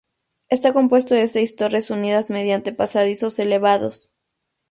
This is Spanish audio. Está compuesto de seis torres unidas mediante pasadizos elevados.